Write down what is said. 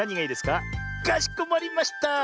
かしこまりました。